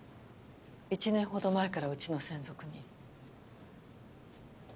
１年ほど前からうちの専属に。